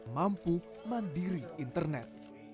mampu mandiri internet